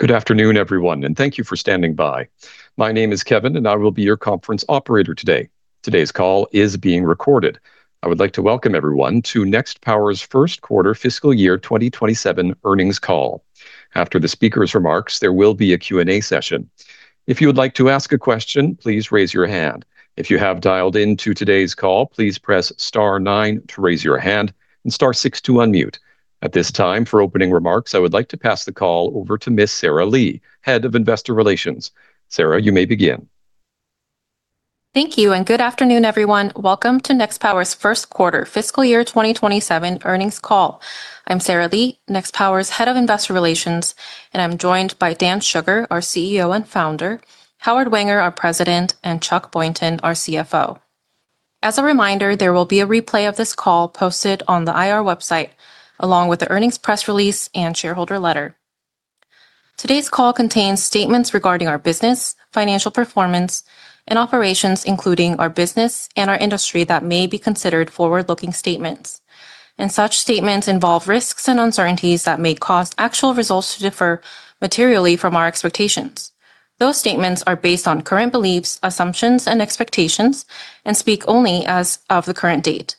Good afternoon, everyone. Thank you for standing by. My name is Kevin. I will be your conference operator today. Today's call is being recorded. I would like to welcome everyone to Nextpower's First Quarter Fiscal Year 2027 Earnings Call. After the speaker's remarks, there will be a Q&A session. If you would like to ask a question, please raise your hand. If you have dialed into today's call, please press star nine to raise your hand and star six to unmute. At this time, for opening remarks, I would like to pass the call over to Ms. Sarah Lee, Head of Investor Relations. Sarah, you may begin. Thank you. Good afternoon, everyone. Welcome to Nextpower's first quarter fiscal year 2027 earnings call. I'm Sarah Lee, Nextpower's Head of Investor Relations, and I'm joined by Dan Shugar, our CEO and Founder, Howard Wenger, our President, and Chuck Boynton, our CFO. As a reminder, there will be a replay of this call posted on the IR website, along with the earnings press release and shareholder letter. Today's call contains statements regarding our business, financial performance, and operations, including our business and our industry that may be considered forward-looking statements. Such statements involve risks and uncertainties that may cause actual results to differ materially from our expectations. Those statements are based on current beliefs, assumptions and expectations, and speak only as of the current date.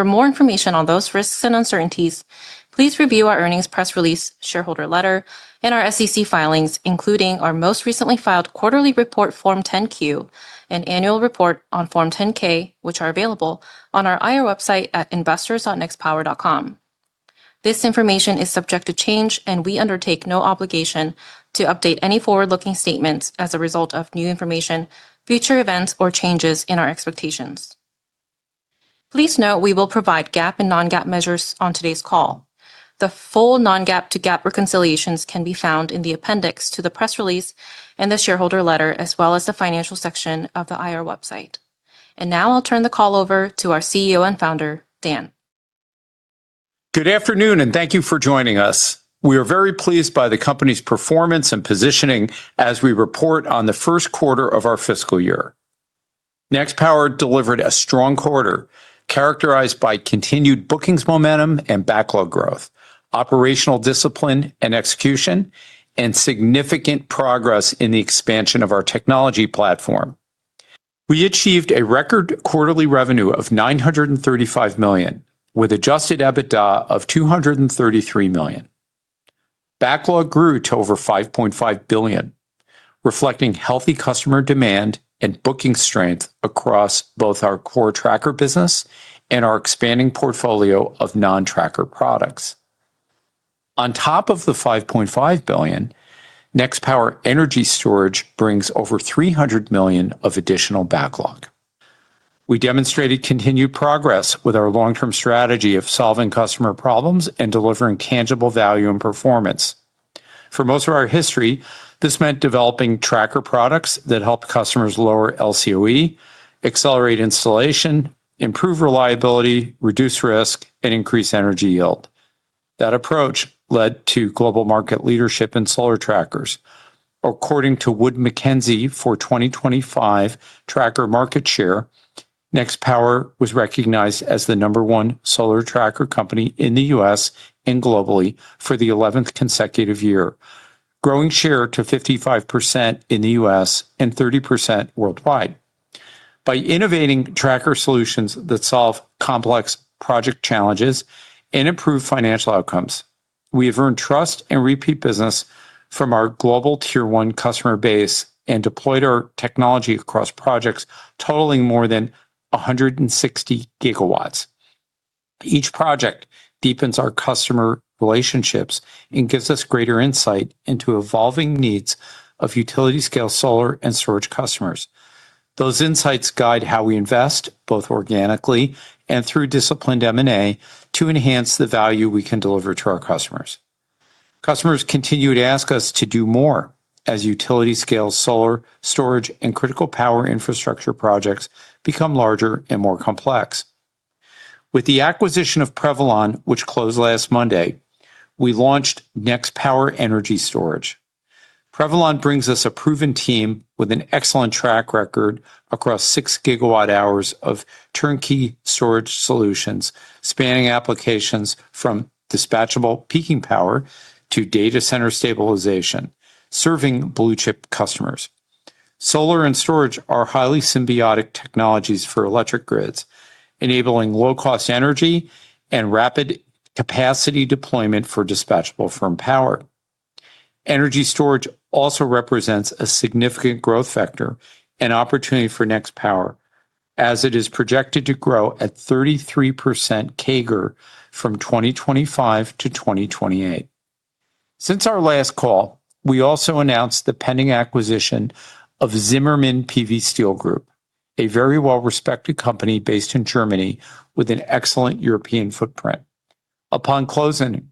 For more information on those risks and uncertainties, please review our earnings press release, shareholder letter, and our SEC filings, including our most recently filed quarterly report, Form 10-Q, and annual report on Form 10-K, which are available on our IR website at investors.nextpower.com. This information is subject to change, and we undertake no obligation to update any forward-looking statements as a result of new information, future events, or changes in our expectations. Please note we will provide GAAP and non-GAAP measures on today's call. The full non-GAAP to GAAP reconciliations can be found in the appendix to the press release and the shareholder letter, as well as the financial section of the IR website. Now I'll turn the call over to our CEO and Founder, Dan. Good afternoon. Thank you for joining us. We are very pleased by the company's performance and positioning as we report on the first quarter of our fiscal year. Nextpower delivered a strong quarter, characterized by continued bookings momentum and backlog growth, operational discipline and execution, and significant progress in the expansion of our technology platform. We achieved a record quarterly revenue of $935 million, with adjusted EBITDA of $233 million. Backlog grew to over $5.5 billion, reflecting healthy customer demand and booking strength across both our core tracker business and our expanding portfolio of non-tracker products. On top of the $5.5 billion, Nextpower Energy Storage brings over $300 million of additional backlog. We demonstrated continued progress with our long-term strategy of solving customer problems and delivering tangible value and performance. For most of our history, this meant developing tracker products that help customers lower LCOE, accelerate installation, improve reliability, reduce risk, and increase energy yield. That approach led to global market leadership in solar trackers. According to Wood Mackenzie for 2025 tracker market share, Nextpower was recognized as the number one solar tracker company in the U.S. and globally for the 11th consecutive year, growing share to 55% in the U.S. and 30% worldwide. By innovating tracker solutions that solve complex project challenges and improve financial outcomes, we have earned trust and repeat business from our global tier 1 customer base and deployed our technology across projects totaling more than 160 GW. Each project deepens our customer relationships and gives us greater insight into evolving needs of utility-scale solar and storage customers. Those insights guide how we invest, both organically and through disciplined M&A, to enhance the value we can deliver to our customers. Customers continue to ask us to do more as utility-scale solar, storage, and critical power infrastructure projects become larger and more complex. With the acquisition of Prevalon, which closed last Monday, we launched Nextpower Energy Storage. Prevalon brings us a proven team with an excellent track record across 6 GWh of turnkey storage solutions, spanning applications from dispatchable peaking power to data center stabilization, serving blue-chip customers. Solar and storage are highly symbiotic technologies for electric grids, enabling low-cost energy and rapid capacity deployment for dispatchable firm power. Energy storage also represents a significant growth factor and opportunity for Nextpower, as it is projected to grow at 33% CAGR from 2025 to 2028. Since our last call, we also announced the pending acquisition of Zimmermann PV-Steel Group, a very well-respected company based in Germany with an excellent European footprint. Upon closing,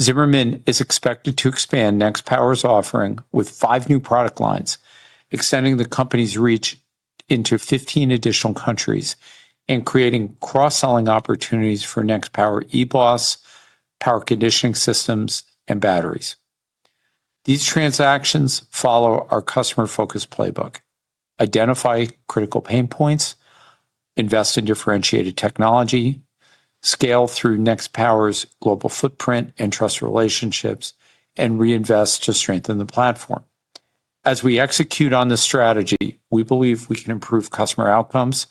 Zimmermann is expected to expand Nextpower's offering with five new product lines, extending the company's reach into 15 additional countries and creating cross-selling opportunities for Nextpower eBOS, power conditioning systems, and batteries. These transactions follow our customer-focused playbook, identify critical pain points Invest in differentiated technology, scale through Nextpower's global footprint and trust relationships, and reinvest to strengthen the platform. As we execute on this strategy, we believe we can improve customer outcomes,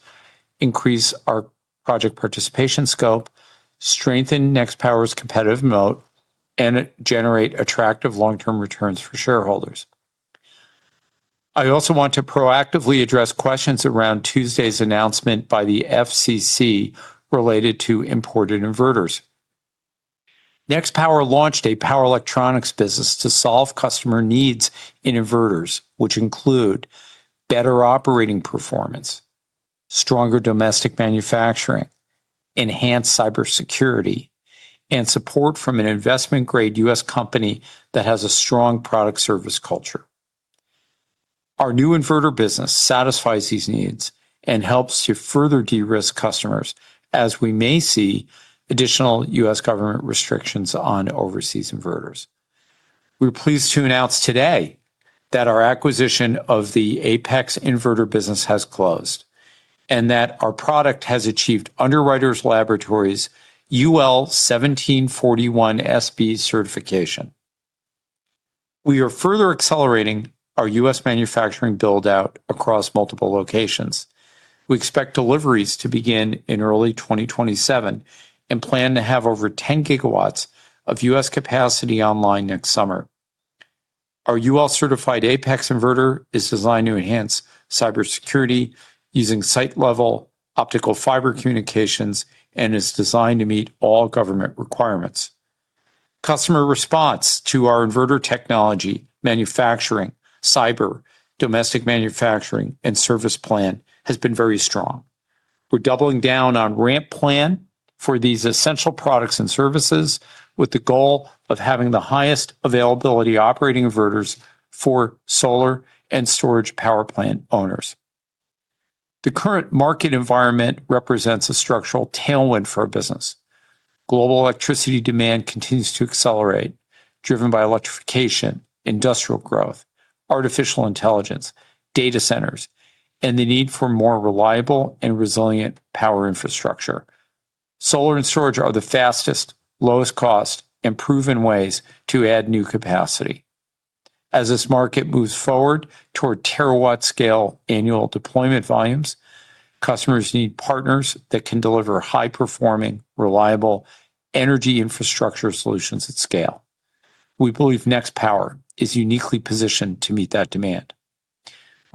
increase our project participation scope, strengthen Nextpower's competitive moat, and generate attractive long-term returns for shareholders. I also want to proactively address questions around Tuesday's announcement by the FCC related to imported inverters. Nextpower launched a power electronics business to solve customer needs in inverters, which include better operating performance, stronger domestic manufacturing, enhanced cybersecurity, and support from an investment-grade U.S. company that has a strong product service culture. Our new inverter business satisfies these needs and helps to further de-risk customers as we may see additional U.S. government restrictions on overseas inverters. We're pleased to announce today that our acquisition of the Apex inverter business has closed, and that our product has achieved Underwriters Laboratories UL 1741 SB certification. We are further accelerating our U.S. manufacturing build-out across multiple locations. We expect deliveries to begin in early 2027 and plan to have over 10 GW of U.S. capacity online next summer. Our UL-certified Apex inverter is designed to enhance cybersecurity using site-level optical fiber communications and is designed to meet all government requirements. Customer response to our inverter technology, manufacturing, cyber, domestic manufacturing, and service plan has been very strong. We're doubling down on ramp plan for these essential products and services with the goal of having the highest availability operating inverters for solar and storage power plant owners. The current market environment represents a structural tailwind for our business. Global electricity demand continues to accelerate, driven by electrification, industrial growth, artificial intelligence, data centers, and the need for more reliable and resilient power infrastructure. Solar and storage are the fastest, lowest cost, and proven ways to add new capacity. As this market moves forward toward terawatt scale annual deployment volumes, customers need partners that can deliver high-performing, reliable energy infrastructure solutions at scale. We believe Nextpower is uniquely positioned to meet that demand.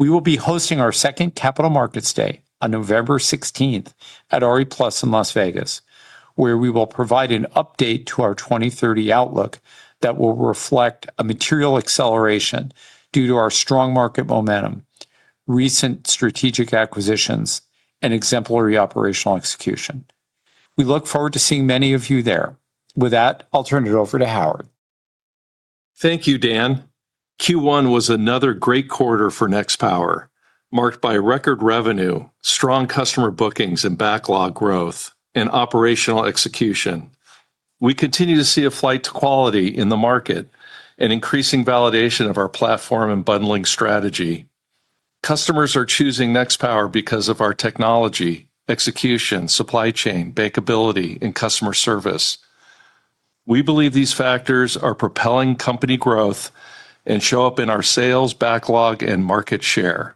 We will be hosting our second Capital Markets Day on November 16th at RE+ in Las Vegas, where we will provide an update to our 2030 outlook that will reflect a material acceleration due to our strong market momentum, recent strategic acquisitions, and exemplary operational execution. We look forward to seeing many of you there. With that, I'll turn it over to Howard. Thank you, Dan. Q1 was another great quarter for Nextpower, marked by record revenue, strong customer bookings and backlog growth, and operational execution. We continue to see a flight to quality in the market and increasing validation of our platform and bundling strategy. Customers are choosing Nextpower because of our technology, execution, supply chain, bankability, and customer service. We believe these factors are propelling company growth and show up in our sales backlog and market share.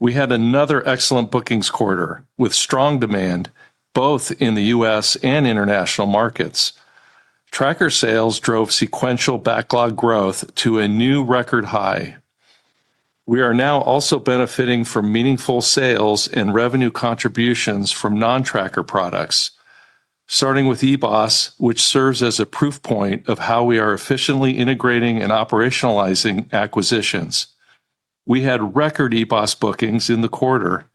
We had another excellent bookings quarter with strong demand both in the U.S. and international markets. Tracker sales drove sequential backlog growth to a new record high. We are now also benefiting from meaningful sales and revenue contributions from non-tracker products, starting with eBOS, which serves as a proof point of how we are efficiently integrating and operationalizing acquisitions. We had record eBOS bookings in the quarter,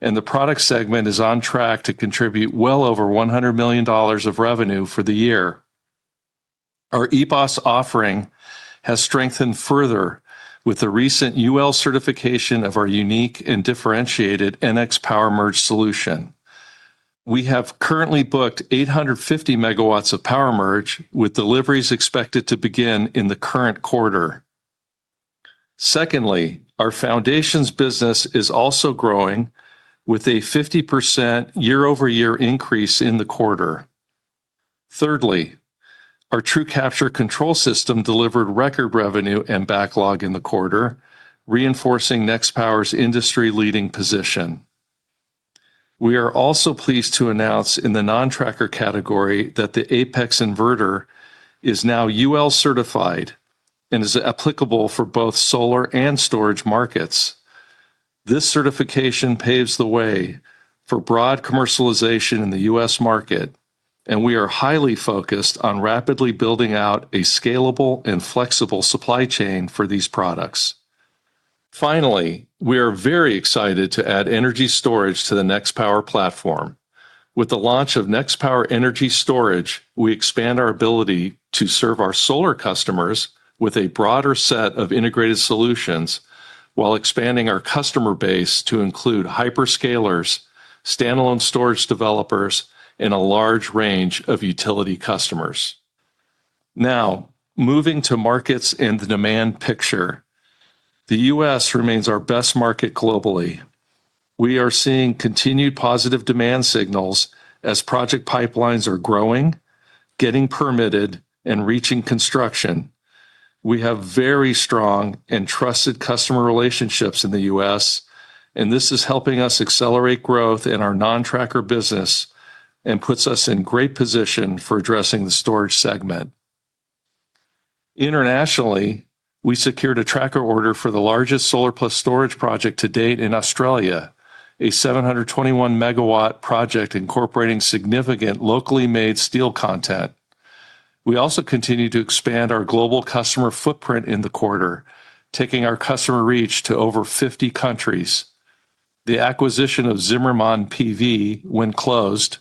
and the product segment is on track to contribute well over $100 million of revenue for the year. Our eBOS offering has strengthened further with the recent UL certification of our unique and differentiated NX PowerMerge solution. We have currently booked 850 MW of PowerMerge, with deliveries expected to begin in the current quarter. Secondly, our foundations business is also growing with a 50% year-over-year increase in the quarter. Thirdly, our TrueCapture control system delivered record revenue and backlog in the quarter, reinforcing Nextpower's industry-leading position. We are also pleased to announce in the non-tracker category that the Apex inverter is now UL certified and is applicable for both solar and storage markets. This certification paves the way for broad commercialization in the U.S. market. We are highly focused on rapidly building out a scalable and flexible supply chain for these products. Finally, we are very excited to add energy storage to the Nextpower platform. With the launch of Nextpower Energy Storage, we expand our ability to serve our solar customers with a broader set of integrated solutions while expanding our customer base to include hyperscalers, standalone storage developers, and a large range of utility customers. Moving to markets and the demand picture. The U.S. remains our best market globally. We are seeing continued positive demand signals as project pipelines are growing, getting permitted, and reaching construction. We have very strong and trusted customer relationships in the U.S., and this is helping us accelerate growth in our non-tracker business and puts us in great position for addressing the storage segment. Internationally, we secured a tracker order for the largest solar plus storage project to date in Australia, a 721 MW project incorporating significant locally made steel content. We also continue to expand our global customer footprint in the quarter, taking our customer reach to over 50 countries. The acquisition of Zimmermann PV, when closed,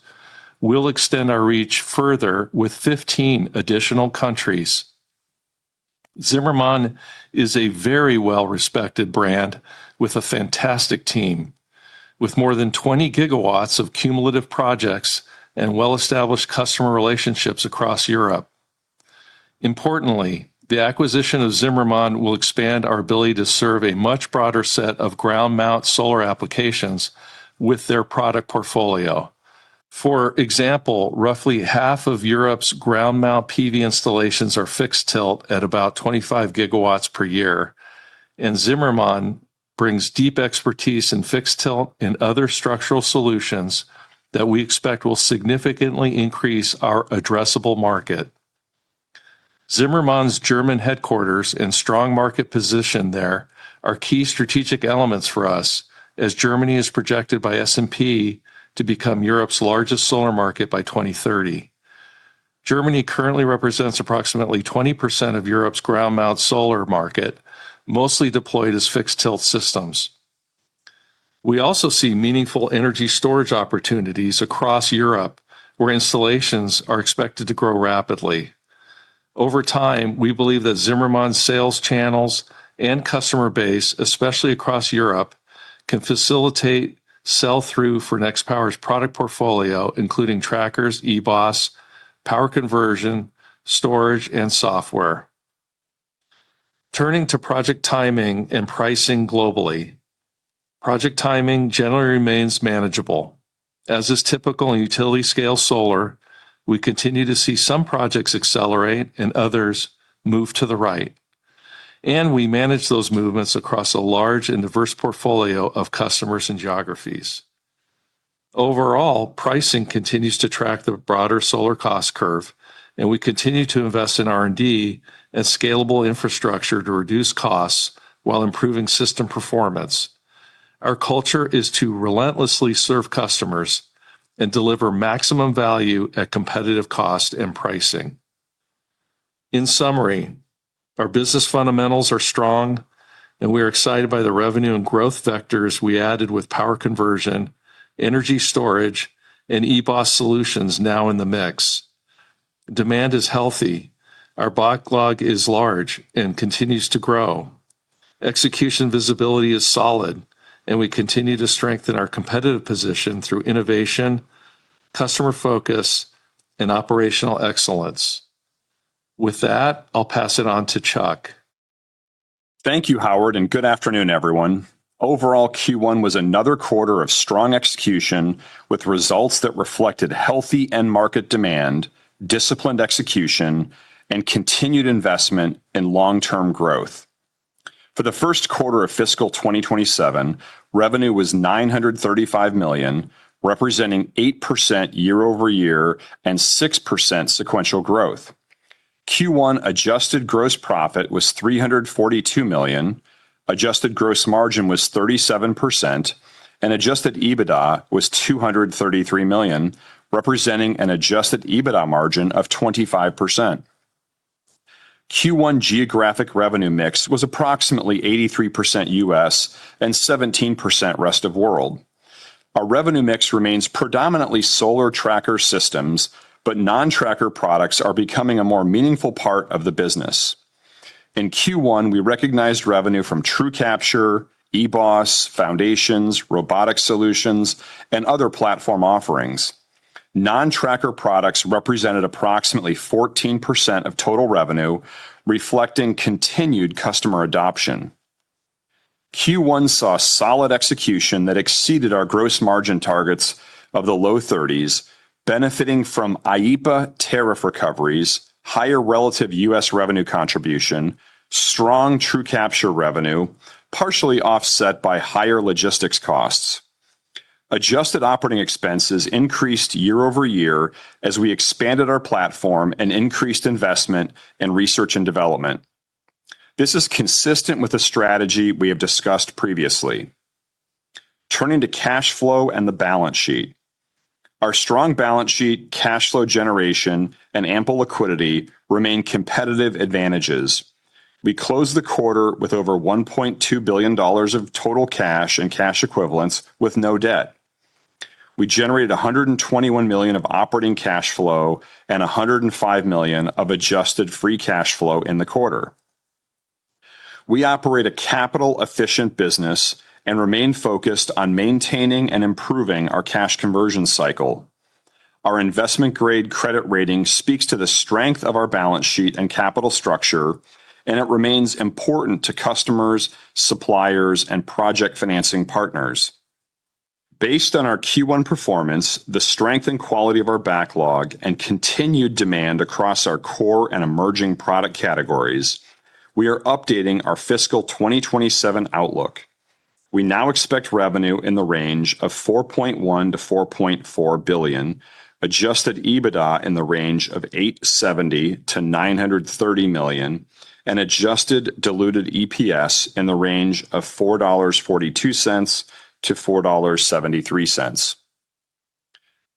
will extend our reach further with 15 additional countries. Zimmermann is a very well-respected brand with a fantastic team. With more than 20 GW of cumulative projects and well-established customer relationships across Europe. Importantly, the acquisition of Zimmermann will expand our ability to serve a much broader set of ground mount solar applications with their product portfolio. For example, roughly half of Europe's ground mount PV installations are fixed tilt at about 25 GW per year. Zimmermann brings deep expertise in fixed tilt and other structural solutions that we expect will significantly increase our addressable market. Zimmermann's German headquarters and strong market position there are key strategic elements for us as Germany is projected by S&P to become Europe's largest solar market by 2030. Germany currently represents approximately 20% of Europe's ground mount solar market, mostly deployed as fixed tilt systems. We also see meaningful energy storage opportunities across Europe where installations are expected to grow rapidly. Over time, we believe that Zimmermann's sales channels and customer base, especially across Europe, can facilitate sell-through for Nextpower's product portfolio, including trackers, eBOS, power conversion, storage, and software. Turning to project timing and pricing globally. Project timing generally remains manageable. As is typical in utility scale solar, we continue to see some projects accelerate and others move to the right. We manage those movements across a large and diverse portfolio of customers and geographies. Overall, pricing continues to track the broader solar cost curve. We continue to invest in R&D and scalable infrastructure to reduce costs while improving system performance. Our culture is to relentlessly serve customers and deliver maximum value at competitive cost and pricing. In summary, our business fundamentals are strong. We are excited by the revenue and growth vectors we added with power conversion, energy storage, and eBOS solutions now in the mix. Demand is healthy. Our backlog is large and continues to grow. Execution visibility is solid. We continue to strengthen our competitive position through innovation, customer focus, and operational excellence. With that, I'll pass it on to Chuck. Thank you, Howard. Good afternoon, everyone. Overall, Q1 was another quarter of strong execution with results that reflected healthy end market demand, disciplined execution, and continued investment in long-term growth. For the first quarter of fiscal 2027, revenue was $935 million, representing 8% year-over-year and 6% sequential growth. Q1 adjusted gross profit was $342 million, adjusted gross margin was 37%, and adjusted EBITDA was $233 million, representing an adjusted EBITDA margin of 25%. Q1 geographic revenue mix was approximately 83% U.S. and 17% rest of world. Our revenue mix remains predominantly solar tracker systems, but non-tracker products are becoming a more meaningful part of the business. In Q1, we recognized revenue from TrueCapture, eBOS, foundations, robotic solutions, and other platform offerings. Non-tracker products represented approximately 14% of total revenue, reflecting continued customer adoption. Q1 saw solid execution that exceeded our gross margin targets of the low 30s, benefiting from IEEPA tariff recoveries, higher relative U.S. revenue contribution, strong TrueCapture revenue, partially offset by higher logistics costs. Adjusted operating expenses increased year-over-year as we expanded our platform and increased investment in research and development. This is consistent with the strategy we have discussed previously. Turning to cash flow and the balance sheet. Our strong balance sheet, cash flow generation, and ample liquidity remain competitive advantages. We closed the quarter with over $1.2 billion of total cash and cash equivalents with no debt. We generated $121 million of operating cash flow and $105 million of adjusted free cash flow in the quarter. We operate a capital-efficient business and remain focused on maintaining and improving our cash conversion cycle. Our investment-grade credit rating speaks to the strength of our balance sheet and capital structure. It remains important to customers, suppliers, and project financing partners. Based on our Q1 performance, the strength and quality of our backlog, and continued demand across our core and emerging product categories, we are updating our fiscal 2027 outlook. We now expect revenue in the range of $4.1 billion-$4.4 billion, adjusted EBITDA in the range of $870 million-$930 million, and adjusted diluted EPS in the range of $4.42-$4.73.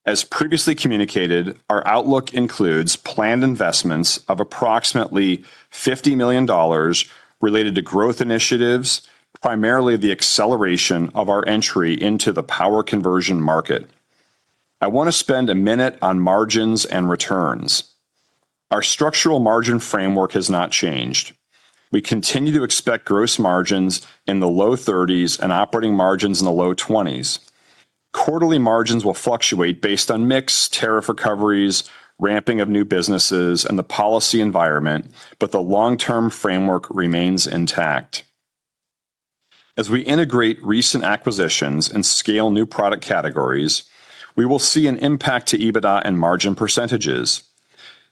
As previously communicated, our outlook includes planned investments of approximately $50 million related to growth initiatives, primarily the acceleration of our entry into the power conversion market. I want to spend a minute on margins and returns. Our structural margin framework has not changed. We continue to expect gross margins in the low 30s and operating margins in the low 20s. Quarterly margins will fluctuate based on mix, tariff recoveries, ramping of new businesses, and the policy environment. The long-term framework remains intact. As we integrate recent acquisitions and scale new product categories, we will see an impact to EBITDA and margin percentages.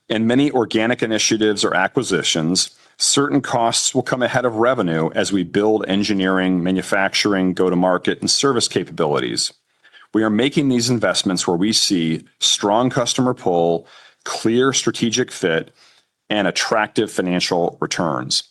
In many organic initiatives or acquisitions, certain costs will come ahead of revenue as we build engineering, manufacturing, go-to market, and service capabilities. We are making these investments where we see strong customer pull, clear strategic fit, and attractive financial returns.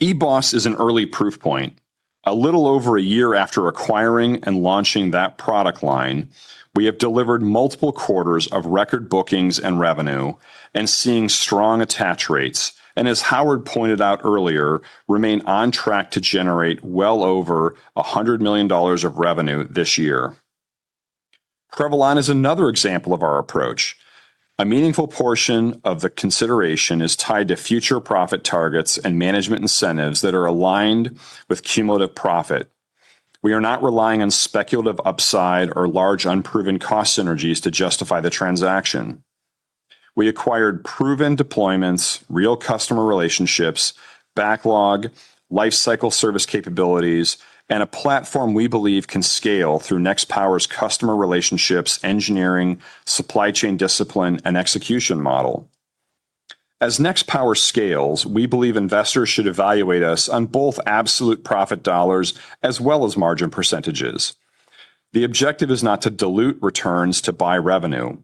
eBOS is an early proof point. A little over a year after acquiring and launching that product line, we have delivered multiple quarters of record bookings and revenue and seeing strong attach rates, and as Howard pointed out earlier, remain on track to generate well over $100 million of revenue this year. Prevalon is another example of our approach. A meaningful portion of the consideration is tied to future profit targets and management incentives that are aligned with cumulative profit. We are not relying on speculative upside or large unproven cost synergies to justify the transaction. We acquired proven deployments, real customer relationships, backlog, life cycle service capabilities, and a platform we believe can scale through Nextpower's customer relationships, engineering, supply chain discipline, and execution model. As Nextpower scales, we believe investors should evaluate us on both absolute profit dollars as well as margin percentages. The objective is not to dilute returns to buy revenue.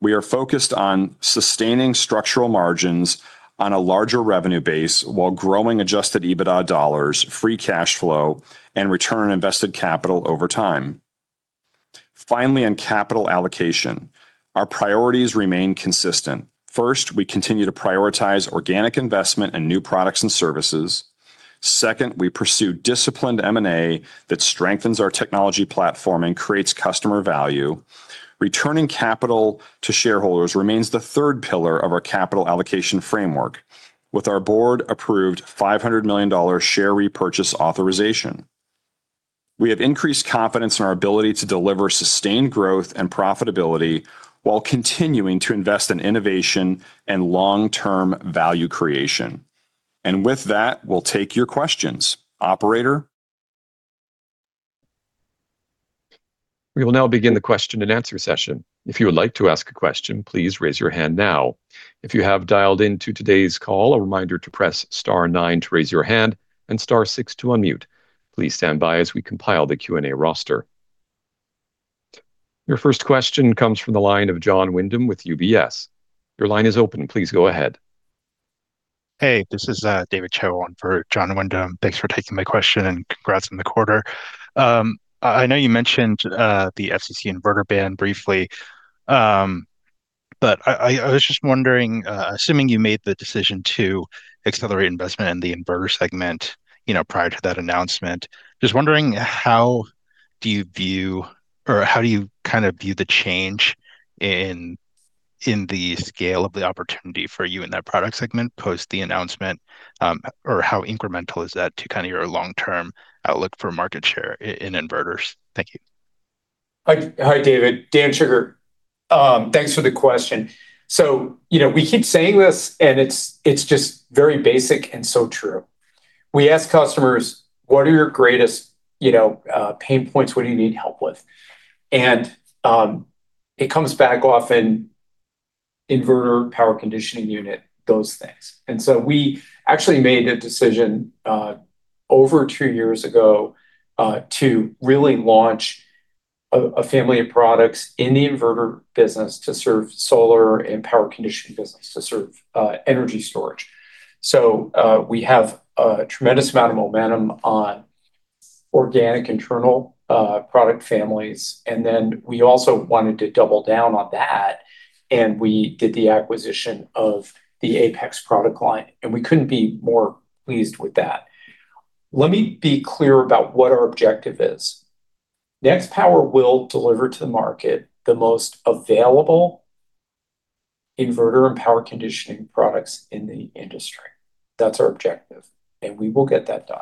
We are focused on sustaining structural margins on a larger revenue base while growing adjusted EBITDA dollars, free cash flow, and return on invested capital over time. Finally, on capital allocation, our priorities remain consistent. First, we continue to prioritize organic investment in new products and services. Second, we pursue disciplined M&A that strengthens our technology platform and creates customer value. Returning capital to shareholders remains the third pillar of our capital allocation framework with our board-approved $500 million share repurchase authorization. We have increased confidence in our ability to deliver sustained growth and profitability while continuing to invest in innovation and long-term value creation. With that, we'll take your questions. Operator? We will now begin the question and answer session. If you would like to ask a question, please raise your hand now. If you have dialed in to today's call, a reminder to press star nine to raise your hand and star six to unmute. Please stand by as we compile the Q&A roster. Your first question comes from the line of Jon Windham with UBS. Your line is open. Please go ahead. Hey, this is David Chow for Jon Windham. Thanks for taking my question, and congrats on the quarter. I know you mentioned the FCC inverter ban briefly, I was just wondering, assuming you made the decision to accelerate investment in the inverter segment prior to that announcement, just wondering how do you view, or how do you kind of view the change in the scale of the opportunity for you in that product segment post the announcement? How incremental is that to kind of your long-term outlook for market share in inverters? Thank you. Hi, David. Dan Shugar. Thanks for the question. We keep saying this, and it's just very basic and so true. We ask customers, "What are your greatest pain points? What do you need help with?" It comes back often, inverter, power conditioning unit, those things. We actually made a decision over two years ago, to really launch a family of products in the inverter business to serve solar and power conditioning business to serve energy storage. We have a tremendous amount of momentum on organic internal product families. We also wanted to double down on that, we did the acquisition of the Apex product line, and we couldn't be more pleased with that. Let me be clear about what our objective is. Nextpower will deliver to the market the most available inverter and power conditioning products in the industry. That's our objective, and we will get that done.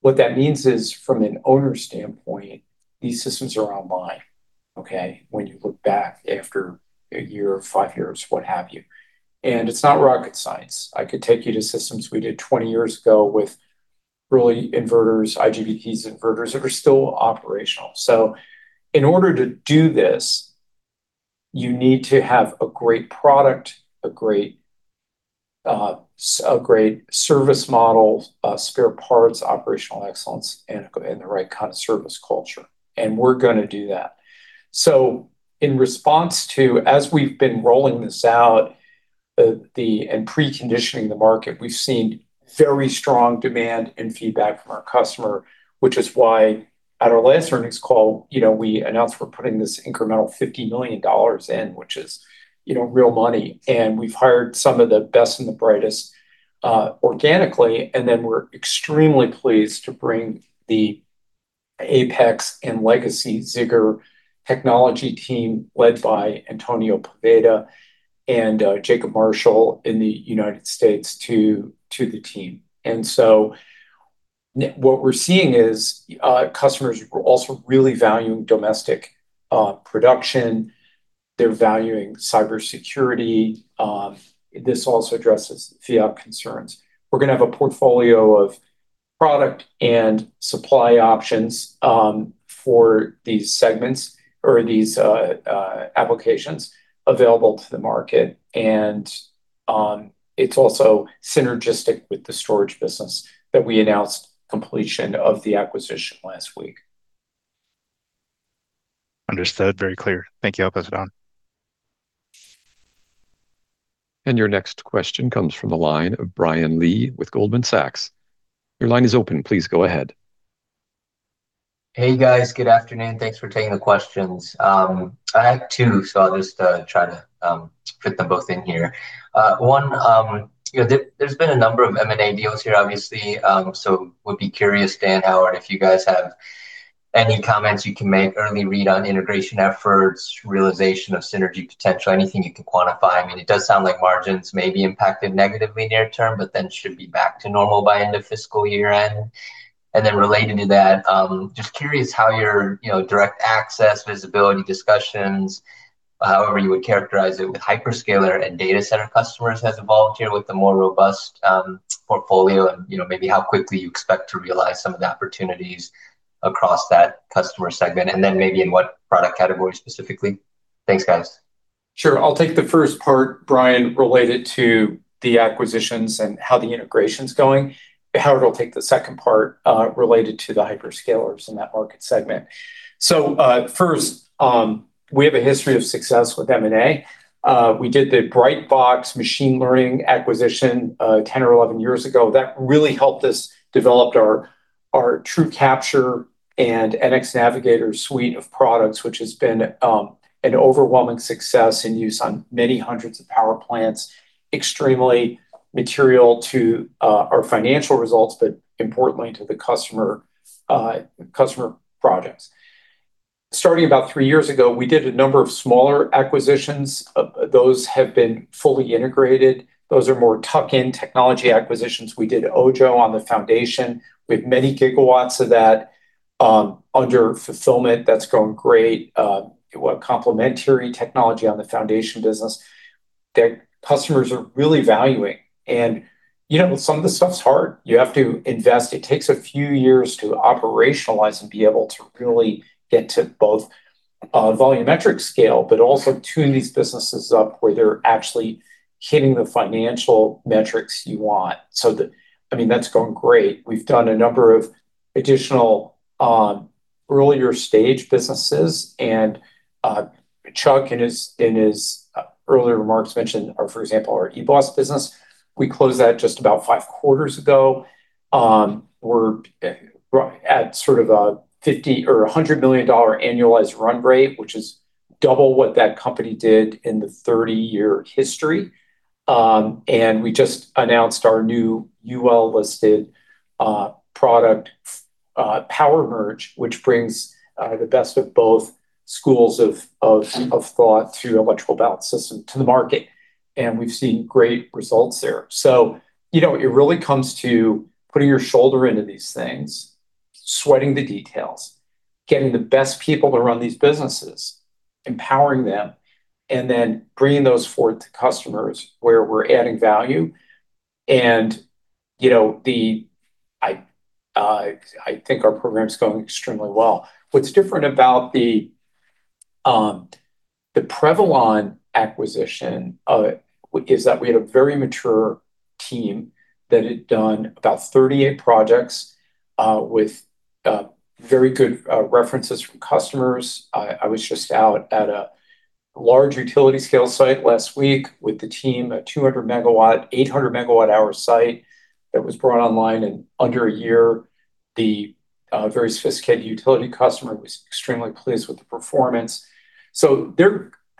What that means is from an owner standpoint, these systems are online, okay? When you look back after a year, five years, what have you. It's not rocket science. I could take you to systems we did 20 years ago with early inverters, IGBTs inverters that are still operational. In order to do this, you need to have a great product, a great service model, spare parts, operational excellence, and the right kind of service culture. We're going to do that. In response to, as we've been rolling this out and preconditioning the market, we've seen very strong demand and feedback from our customer, which is why at our last earnings call, we announced we're putting this incremental $50 million in, which is real money. We've hired some of the best and the brightest organically, we're extremely pleased to bring the Apex and Legacy Zigor technology team led by Antonio Poveda and Jacob Marshall in the United States to the team. What we're seeing is customers are also really valuing domestic production. They're valuing cybersecurity. This also addresses FIOP concerns. We're going to have a portfolio of product and supply options for these segments or these applications available to the market. It's also synergistic with the storage business that we announced completion of the acquisition last week. Understood. Very clear. Thank you as well. Your next question comes from the line of Brian Lee with Goldman Sachs. Your line is open. Please go ahead. Hey, guys. Good afternoon. Thanks for taking the questions. I have two, so I'll just try to fit them both in here. One, there's been a number of M&A deals here, obviously. Would be curious, Dan, Howard, if you guys have any comments you can make, early read on integration efforts, realization of synergy potential, anything you can quantify. It does sound like margins may be impacted negatively near term, but then should be back to normal by end of fiscal year-end. Related to that, just curious how your direct access, visibility discussions, however you would characterize it with hyperscaler and data center customers has evolved here with the more robust portfolio and maybe how quickly you expect to realize some of the opportunities across that customer segment, and then maybe in what product category specifically. Thanks, guys. Sure. I'll take the first part, Brian, related to the acquisitions and how the integration's going. Howard will take the second part, related to the hyperscalers in that market segment. First, we have a history of success with M&A. We did the BrightBox machine learning acquisition 10 or 11 years ago. That really helped us developed our TrueCapture and NX Navigator suite of products, which has been an overwhelming success in use on many hundreds of power plants, extremely material to our financial results, but importantly to the customer projects. Starting about three years ago, we did a number of smaller acquisitions. Those have been fully integrated. Those are more tuck-in technology acquisitions. We did Ojjo on the foundation. We have many gigawatts of that under fulfillment. That's going great. Complementary technology on the foundation business that customers are really valuing. Some of the stuff's hard. You have to invest. It takes a few years to operationalize and be able to really get to both volumetric scale, but also tune these businesses up where they're actually hitting the financial metrics you want. That's going great. We've done a number of additional earlier stage businesses, Chuck in his earlier remarks mentioned, for example, our eBOS business. We closed that just about five quarters ago. We're at sort of a $100 million annualized run rate, which is double what that company did in the 30-year history. We just announced our new UL-listed product, PowerMerge, which brings the best of both schools of thought through electrical balance of systems to the market. We've seen great results there. It really comes to putting your shoulder into these things, sweating the details, getting the best people to run these businesses, empowering them, and then bringing those forward to customers where we're adding value. I think our program's going extremely well. What's different about the Prevalon acquisition is that we had a very mature team that had done about 38 projects with very good references from customers. I was just out at a large utility scale site last week with the team, a 200 MW, 800 MWh site that was brought online in under a year. The very sophisticated utility customer was extremely pleased with the performance.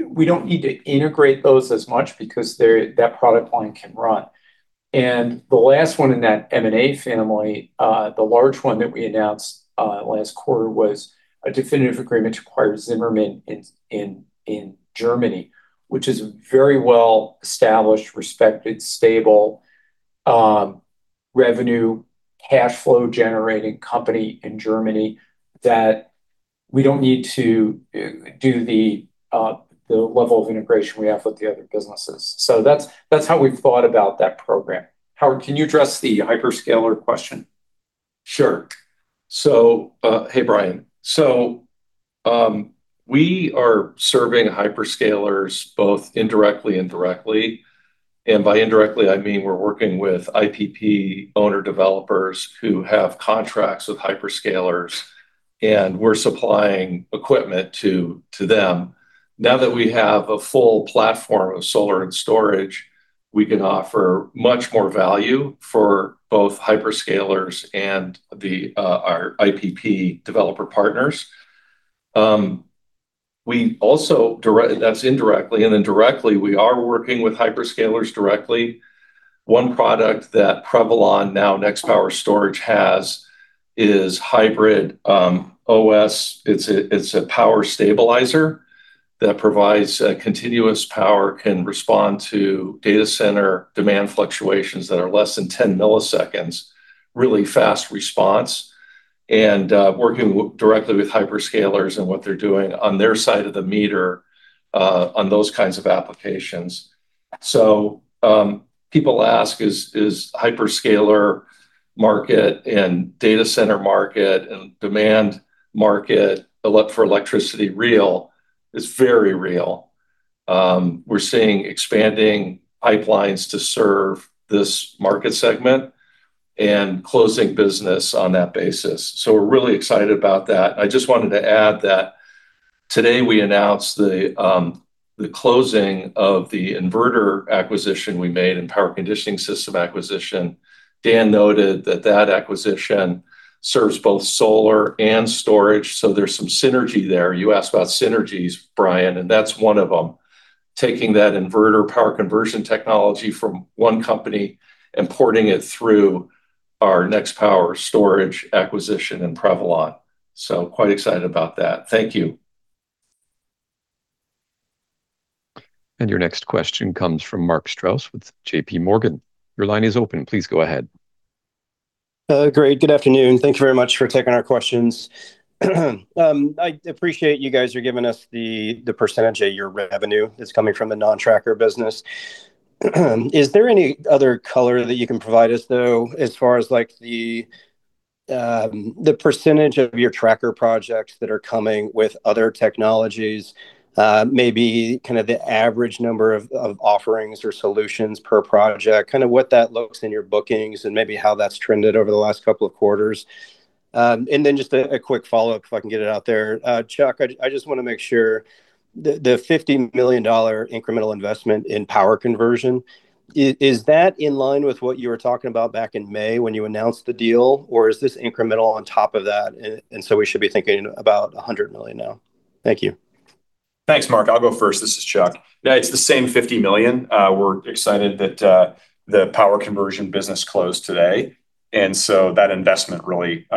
We don't need to integrate those as much because that product line can run. The last one in that M&A family, the large one that we announced last quarter was a definitive agreement to acquire Zimmermann in Germany, which is a very well-established, respected, stable, revenue, cash flow generating company in Germany that we don't need to do the level of integration we have with the other businesses. That's how we've thought about that program. Howard, can you address the hyperscaler question? Sure. Hey, Brian. We are serving hyperscalers both indirectly and directly, and by indirectly, I mean we're working with IPP owner developers who have contracts with hyperscalers, and we're supplying equipment to them. Now that we have a full platform of solar and storage, we can offer much more value for both hyperscalers and our IPP developer partners. That's indirectly. Then directly, we are working with hyperscalers directly. One product that Prevalon, now Nextpower Storage has is Hybrid OS. It's a power stabilizer that provides continuous power, can respond to data center demand fluctuations that are less than 10 milliseconds, really fast response, and working directly with hyperscalers and what they're doing on their side of the meter, on those kinds of applications. People ask, is hyperscaler market and data center market and demand market for electricity real? It's very real. We're seeing expanding pipelines to serve this market segment and closing business on that basis. We're really excited about that. I just wanted to add that today we announced the closing of the inverter acquisition we made and power conditioning system acquisition. Dan noted that that acquisition serves both solar and storage, so there's some synergy there. You asked about synergies, Brian, and that's one of them. Taking that inverter power conversion technology from one company and porting it through our Nextpower Storage acquisition and Prevalon. Quite excited about that. Thank you. Your next question comes from Mark Strouse with JPMorgan. Your line is open. Please go ahead. Great. Good afternoon. Thank you very much for taking our questions. I appreciate you guys are giving us the percentage of your revenue that is coming from the non-tracker business. Is there any other color that you can provide us, though, as far as the percentage of your tracker projects that are coming with other technologies? Maybe kind of the average number of offerings or solutions per project, kind of what that looks in your bookings and maybe how that is trended over the last couple of quarters. Just a quick follow-up, if I can get it out there. Chuck, I just want to make sure, the $50 million incremental investment in power conversion, is that in line with what you were talking about back in May when you announced the deal? Or is this incremental on top of that, so we should be thinking about $100 million now? Thank you. Thanks, Mark. I will go first. This is Chuck. Yeah, it is the same $50 million. We are excited that the power conversion business closed today, so that investment really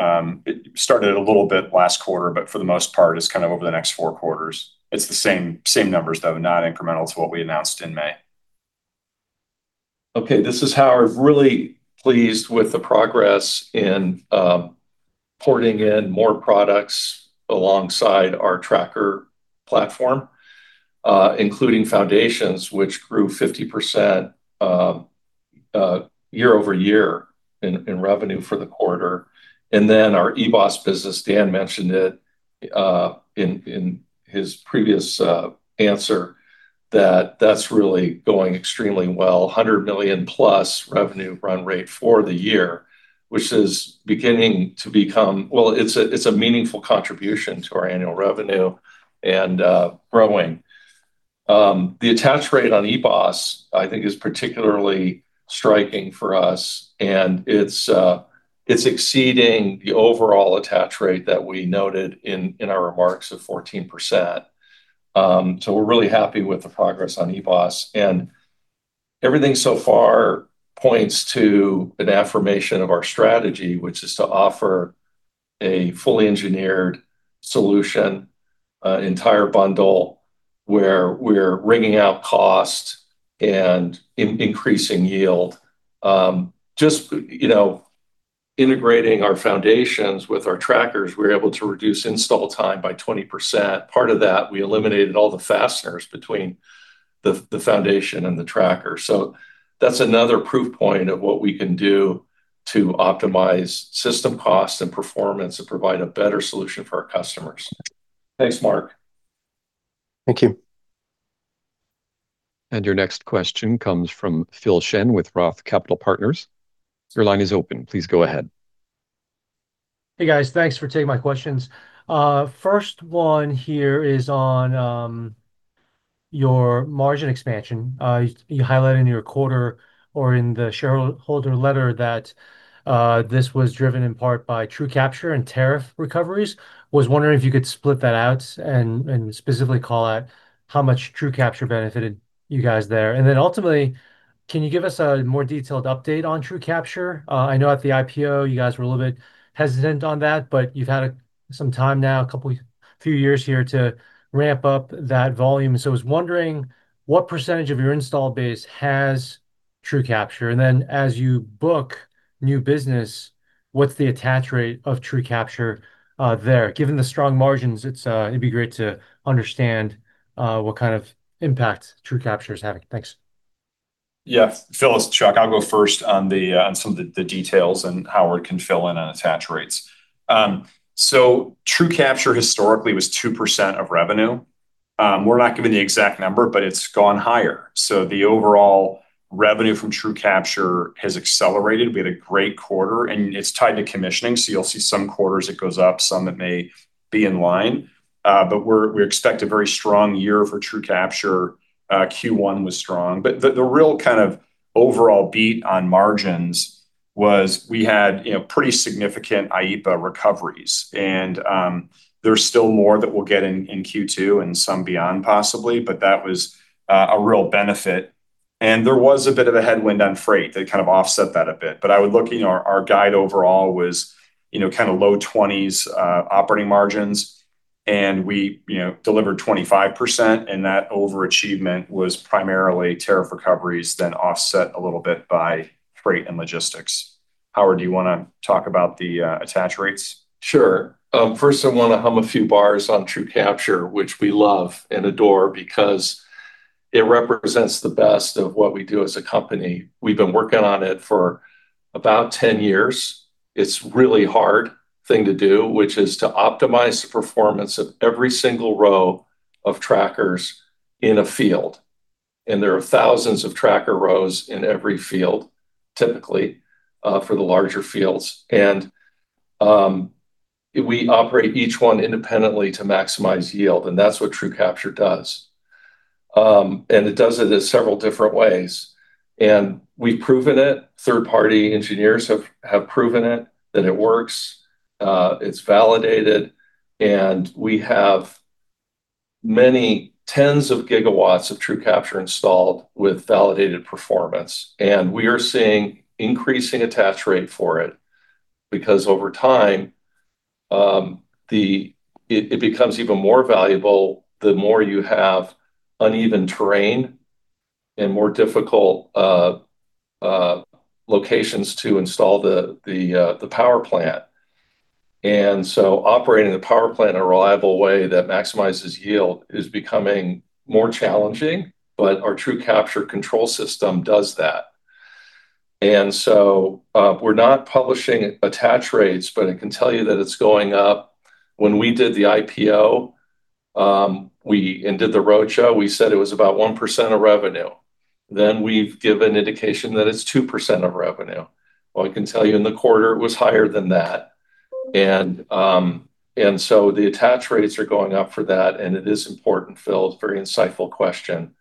started a little bit last quarter, but for the most part is kind of over the next four quarters. It is the same numbers, though, not incremental to what we announced in May. Okay. This is Howard. Really pleased with the progress in porting in more products alongside our tracker platform, including foundations, which grew 50% year-over-year in revenue for the quarter. Our eBOS business, Dan mentioned it in his previous answer, that that's really going extremely well. $100 million-plus revenue run rate for the year, which is beginning to become— Well, it's a meaningful contribution to our annual revenue and growing. The attach rate on eBOS, I think, is particularly striking for us, and it's exceeding the overall attach rate that we noted in our remarks of 14%. We're really happy with the progress on eBOS, and everything so far points to an affirmation of our strategy, which is to offer a fully engineered solution, entire bundle, where we're wringing out cost and increasing yield. Just integrating our foundations with our trackers, we were able to reduce install time by 20%. Part of that, we eliminated all the fasteners between the foundation and the tracker. That's another proof point of what we can do to optimize system cost and performance and provide a better solution for our customers. Thanks, Mark. Thank you. Your next question comes from Phil Shen with Roth Capital Partners. Your line is open. Please go ahead. Hey, guys. Thanks for taking my questions. First one here is on your margin expansion, you highlighted in your quarter or in the shareholder letter that this was driven in part by TrueCapture and tariff recoveries. Was wondering if you could split that out and specifically call out how much TrueCapture benefited you guys there. Then ultimately, can you give us a more detailed update on TrueCapture? I know at the IPO you guys were a little bit hesitant on that, but you've had some time now, a couple few years here to ramp up that volume. So I was wondering what percentage of your install base has TrueCapture, then as you book new business, what's the attach rate of TrueCapture there? Given the strong margins, it'd be great to understand what kind of impact TrueCapture is having. Thanks. Yeah. Phil, it's Chuck, I'll go first on some of the details, Howard can fill in on attach rates. TrueCapture historically was 2% of revenue. We're not giving the exact number, but it's gone higher. The overall revenue from TrueCapture has accelerated. We had a great quarter, it's tied to commissioning. You'll see some quarters it goes up, some that may be in line. We expect a very strong year for TrueCapture. Q1 was strong. The real kind of overall beat on margins was we had pretty significant IEEPA recoveries. There's still more that we'll get in Q2 and some beyond possibly, but that was a real benefit. There was a bit of a headwind on freight that kind of offset that a bit. I would look in our guide overall was kind of low 20s operating margins, we delivered 25%, that overachievement was primarily tariff recoveries, offset a little bit by freight and logistics. Howard, do you want to talk about the attach rates? Sure. First I want to hum a few bars on TrueCapture, which we love and adore because it represents the best of what we do as a company. We've been working on it for about 10 years. It's really hard thing to do, which is to optimize the performance of every single row of trackers in a field. There are thousands of tracker rows in every field, typically, for the larger fields. We operate each one independently to maximize yield, that's what TrueCapture does. It does it as several different ways. We've proven it, third party engineers have proven it that it works. It's validated, we have many tens of gigawatts of TrueCapture installed with validated performance. We are seeing increasing attach rate for it because over time, it becomes even more valuable the more you have uneven terrain and more difficult locations to install the power plant. Operating the power plant in a reliable way that maximizes yield is becoming more challenging, but our TrueCapture control system does that. We're not publishing attach rates, but I can tell you that it's going up. When we did the IPO, and did the roadshow, we said it was about 1% of revenue. Then we've given indication that it's 2% of revenue. Well, I can tell you in the quarter it was higher than that. The attach rates are going up for that, and it is important, Phil. Very insightful question,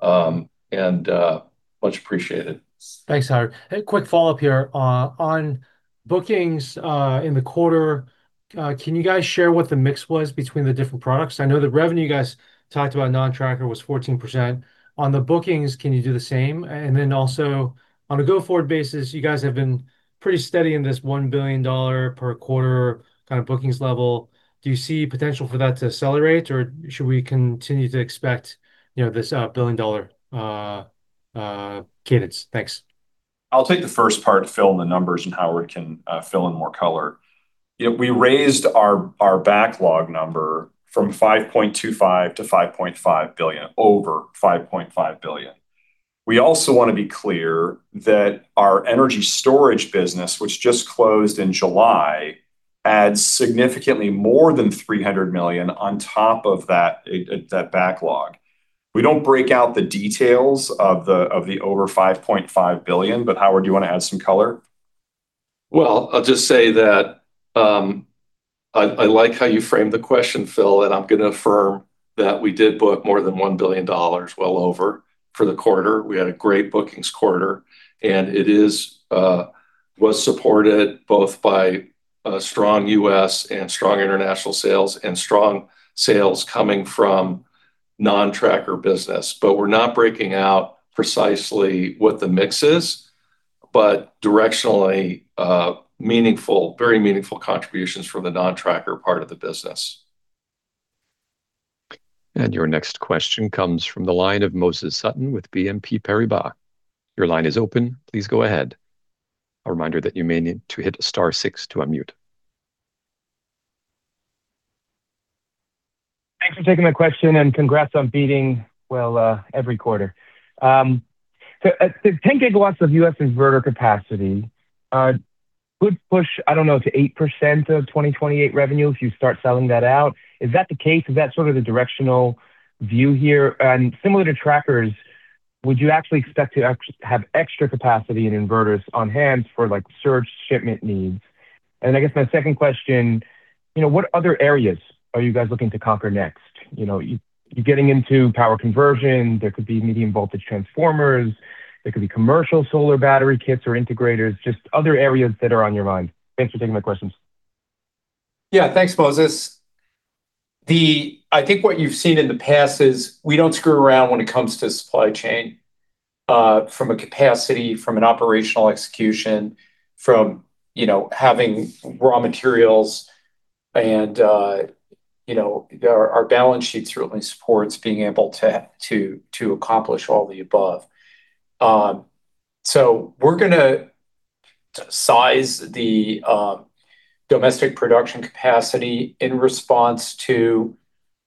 and much appreciated. Thanks, Howard. A quick follow-up here. On bookings, in the quarter, can you guys share what the mix was between the different products? I know the revenue you guys talked about non-tracker was 14%. On the bookings, can you do the same? Then also on a go-forward basis, you guys have been pretty steady in this $1 billion per quarter kind of bookings level. Do you see potential for that to accelerate, or should we continue to expect this billion-dollar cadence? Thanks. I'll take the first part, Phil, on the numbers, Howard can fill in more color. We raised our backlog number from $5.25 billion to $5.5 billion, over $5.5 billion. We also want to be clear that our energy storage business, which just closed in July, adds significantly more than $300 million on top of that backlog. We don't break out the details of the over $5.5 billion, Howard, do you want to add some color? Well, I'll just say that, I like how you framed the question, Phil. I'm going to affirm that we did book more than $1 billion, well over, for the quarter. We had a great bookings quarter. It was supported both by strong U.S. and strong international sales and strong sales coming from non-tracker business. We're not breaking out precisely what the mix is, directionally, very meaningful contributions from the non-tracker part of the business. Your next question comes from the line of Moses Sutton with BNP Paribas. Your line is open. Please go ahead. A reminder that you may need to hit star six to unmute. Thanks for taking my question and congrats on beating well every quarter. The 10 GW of U.S. inverter capacity could push, I don't know, to 8% of 2028 revenue if you start selling that out. Is that the case? Is that sort of the directional view here? Similar to trackers, would you actually expect to have extra capacity and inverters on hand for surge shipment needs? I guess my second question, what other areas are you guys looking to conquer next? You're getting into power conversion. There could be medium voltage transformers. There could be commercial solar battery kits or integrators, just other areas that are on your mind. Thanks for taking my questions. Thanks, Moses. I think what you've seen in the past is we don't screw around when it comes to supply chain, from a capacity, from an operational execution, from having raw materials and our balance sheet certainly supports being able to accomplish all the above. We're going to size the domestic production capacity in response to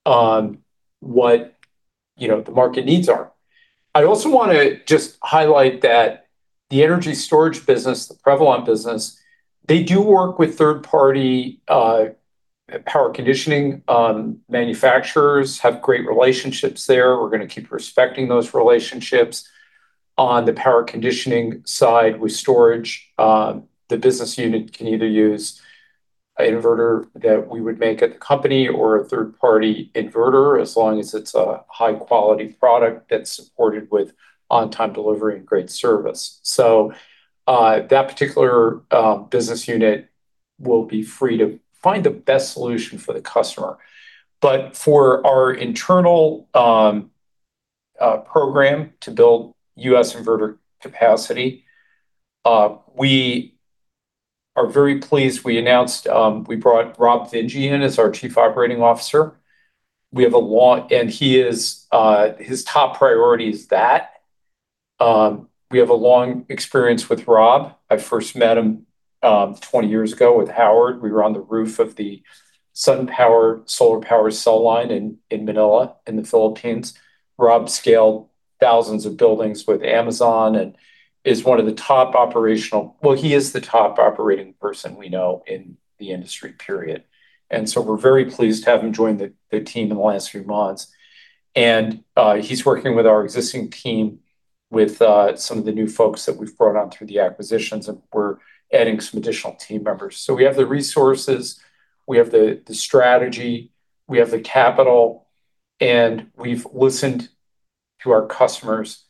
what the market needs are. I also want to just highlight that the energy storage business, the Prevalon business, they do work with third-party power conditioning manufacturers, have great relationships there. We're going to keep respecting those relationships. On the power conditioning side with storage, the business unit can either use an inverter that we would make at the company or a third-party inverter, as long as it's a high-quality product that's supported with on-time delivery and great service. That particular business unit will be free to find the best solution for the customer. For our internal program to build U.S. inverter capacity, we are very pleased. We announced, we brought Rob Vinje in as our Chief Operating Officer. His top priority is that. We have a long experience with Rob. I first met him 20 years ago with Howard. We were on the roof of the SunPower solar power cell line in Manila, in the Philippines. Rob scaled thousands of buildings with Amazon and is one of the top operational. He is the top operating person we know in the industry, period. We're very pleased to have him join the team in the last few months. He's working with our existing team with some of the new folks that we've brought on through the acquisitions, and we're adding some additional team members. We have the resources, we have the strategy, we have the capital, and we've listened to our customers.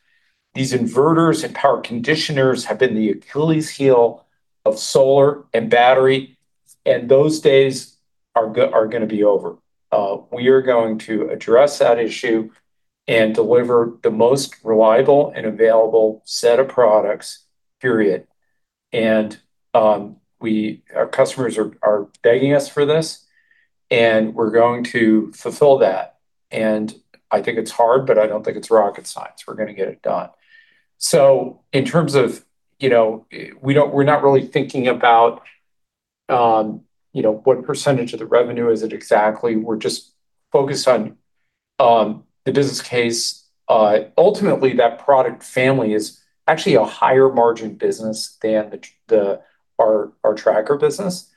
These inverters and power conditioners have been the Achilles heel of solar and battery, and those days are going to be over. We are going to address that issue and deliver the most reliable and available set of products, period. Our customers are begging us for this, and we're going to fulfill that. I think it's hard, but I don't think it's rocket science. We're going to get it done. In terms of, we're not really thinking about what percentage of the revenue is it exactly. We're just focused on the business case. Ultimately, that product family is actually a higher margin business than our tracker business.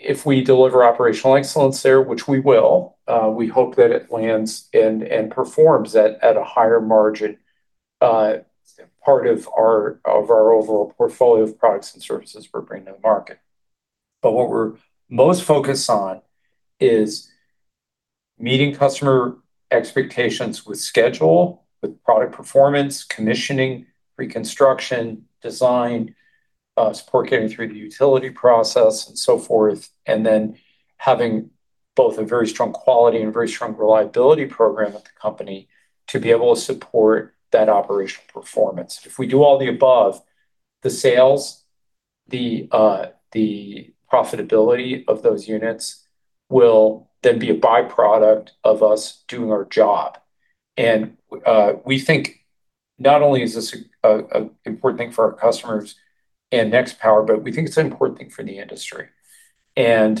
If we deliver operational excellence there, which we will, we hope that it lands and performs at a higher margin, part of our overall portfolio of products and services for brand new market. What we're most focused on is meeting customer expectations with schedule, with product performance, commissioning, reconstruction, design, support getting through the utility process and so forth, and then having both a very strong quality and very strong reliability program at the company to be able to support that operational performance. If we do all the above, the sales, the profitability of those units will then be a byproduct of us doing our job. We think not only is this an important thing for our customers and Nextpower, but we think it's an important thing for the industry. We're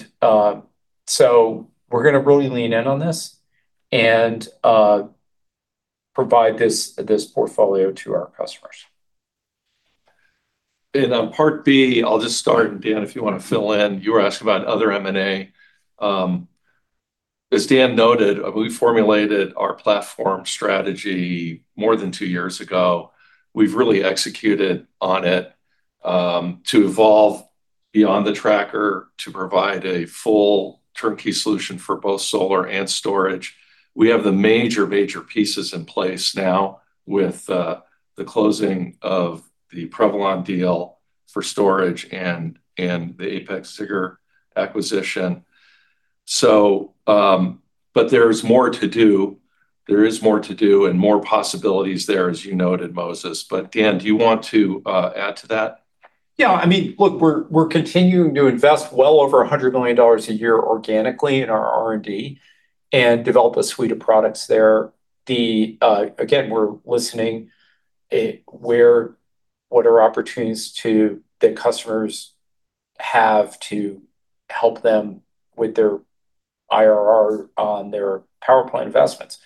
going to really lean in on this and provide this portfolio to our customers. On part B, I'll just start, and Dan, if you want to fill in, you were asking about other M&A. As Dan noted, we formulated our platform strategy more than two years ago. We've really executed on it, to evolve beyond the tracker to provide a full turnkey solution for both solar and storage. We have the major pieces in place now with the closing of the Prevalon deal for storage and the Apex, Zigor acquisition. But there is more to do. There is more to do and more possibilities there, as you noted, Moses. Dan, do you want to add to that? Look, we're continuing to invest well over $100 million a year organically in our R&D and develop a suite of products there. Again, we're listening what are opportunities that customers have to help them with their IRR on their power plant investments.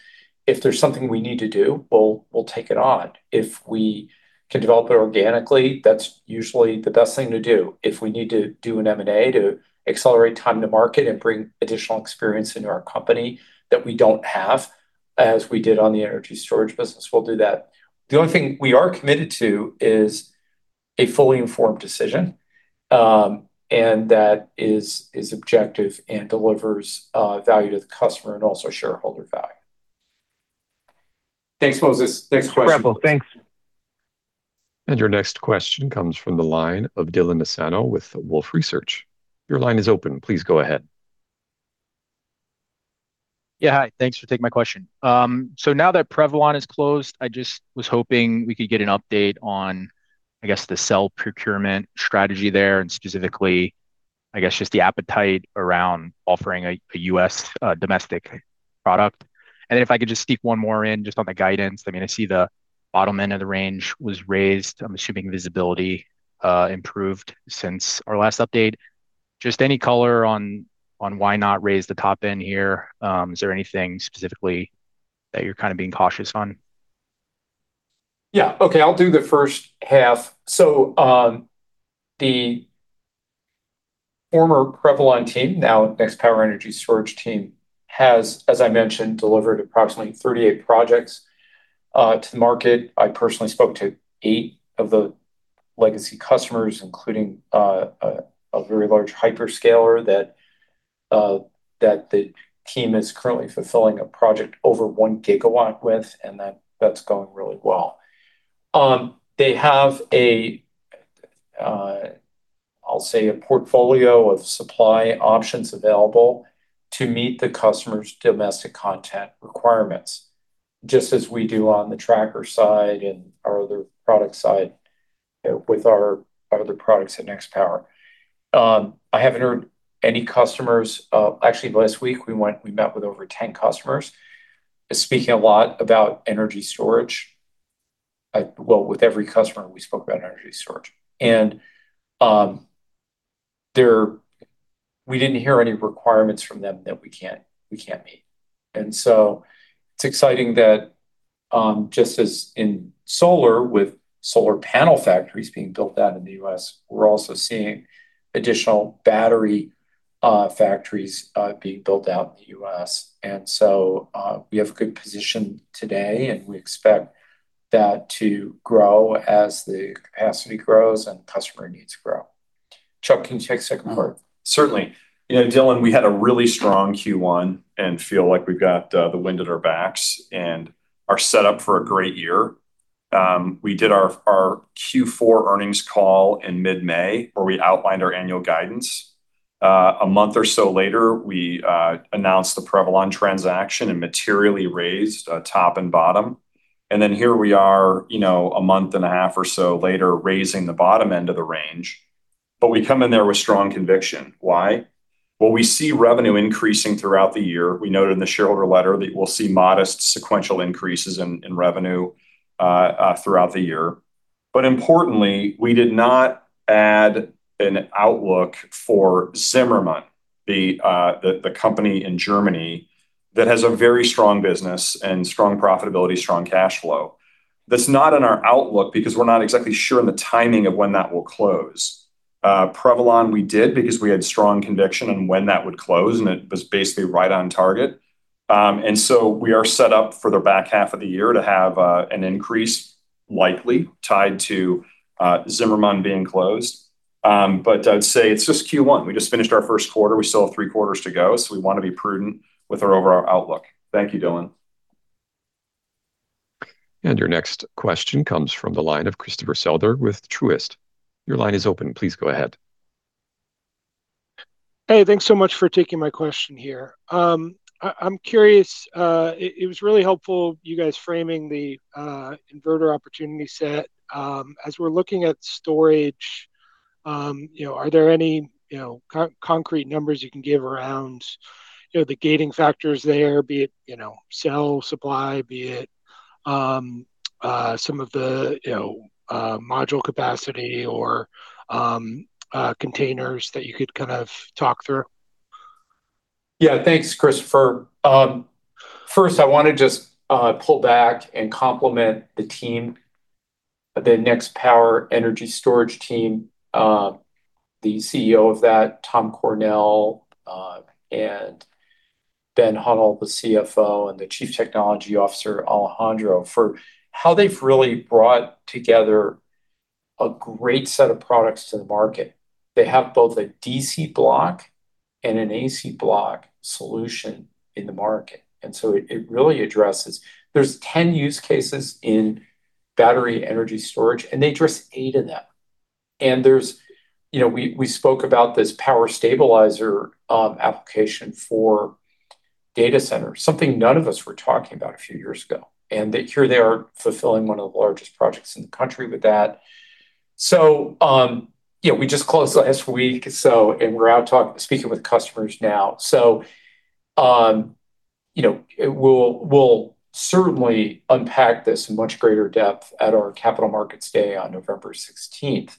If there's something we need to do, we'll take it on. If we can develop it organically, that's usually the best thing to do. If we need to do an M&A to accelerate time to market and bring additional experience into our company that we don't have. As we did on the energy storage business, we'll do that. The only thing we are committed to is a fully informed decision, and that is objective and delivers value to the customer and also shareholder value. Thanks, Moses. Next question. No problem. Thanks. Your next question comes from the line of Dylan Nassano with Wolfe Research. Your line is open. Please go ahead. Yeah, hi. Thanks for taking my question. Now that Prevalon is closed, I just was hoping we could get an update on, I guess, the cell procurement strategy there, and specifically, I guess, just the appetite around offering a U.S. domestic product. If I could just sneak one more in just on the guidance. I see the bottom end of the range was raised. I'm assuming visibility improved since our last update. Just any color on why not raise the top end here. Is there anything specifically that you're being cautious on? Yeah. Okay, I'll do the first half. The former Prevalon team, now Nextpower Energy Storage team has, as I mentioned, delivered approximately 38 projects to the market. I personally spoke to eight of the legacy customers, including a very large hyperscaler that the team is currently fulfilling a project over one gigawatt with, and that's going really well. They have a, I'll say, a portfolio of supply options available to meet the customer's domestic content requirements, just as we do on the tracker side and our other product side with our other products at Nextpower. I haven't heard any customers. Actually, last week we met with over 10 customers, speaking a lot about energy storage. Well, with every customer, we spoke about energy storage, and we didn't hear any requirements from them that we can't meet. It's exciting that, just as in solar, with solar panel factories being built out in the U.S., we're also seeing additional battery factories being built out in the U.S. We have a good position today, and we expect that to grow as the capacity grows and customer needs grow. Chuck, can you take the second part? Certainly. Dylan, we had a really strong Q1 and feel like we've got the wind at our backs and are set up for a great year. We did our Q4 earnings call in mid-May, where we outlined our annual guidance. A month or so later, we announced the Prevalon transaction and materially raised top and bottom. Here we are a month and a half or so later, raising the bottom end of the range. We come in there with strong conviction. Why? Well, we see revenue increasing throughout the year. We noted in the shareholder letter that we'll see modest sequential increases in revenue throughout the year. Importantly, we did not add an outlook for Zimmermann, the company in Germany that has a very strong business and strong profitability, strong cash flow. That's not in our outlook because we're not exactly sure on the timing of when that will close. Prevalon, we did because we had strong conviction on when that would close, and it was basically right on target. We are set up for the back half of the year to have an increase likely tied to Zimmermann being closed. I'd say it's just Q1. We just finished our first quarter. We still have three quarters to go, so we want to be prudent with our overall outlook. Thank you, Dylan. Your next question comes from the line of Christopher Souther with Truist. Your line is open. Please go ahead. Hey, thanks so much for taking my question here. I'm curious. It was really helpful, you guys framing the inverter opportunity set. As we're looking at storage, are there any concrete numbers you can give around the gating factors there, be it cell supply, be it some of the module capacity or containers that you could talk through? Thanks, Christopher. First, I want to just pull back and compliment the team, the Nextpower Energy Storage team, the CEO of that, Tom Cornell, and Ben Hunnewell, the CFO, and the Chief Technology Officer, Alejandro, for how they've really brought together a great set of products to the market. They have both a DC block and an AC block solution in the market. It really addresses There's 10 use cases in battery energy storage, and they address eight of them. We spoke about this power stabilizer application for data centers, something none of us were talking about a few years ago. Here they are fulfilling one of the largest projects in the country with that. We just closed last week, and we're out speaking with customers now. We'll certainly unpack this in much greater depth at our Capital Markets Day on November 16th.